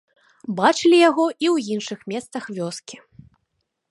Бачылі яго і ў іншых месцах вёскі.